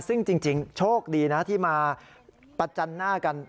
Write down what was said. ซึ่งจริงโชคดีนะที่มาประจันหน้ากัน